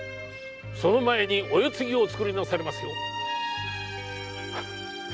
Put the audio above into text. その前にお世継ぎをおつくりなされませよ。